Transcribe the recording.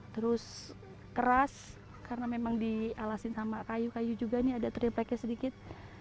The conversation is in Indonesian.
terus keras karena memang dialasin sama kayu kayu juga nih ada terima kasih sedikit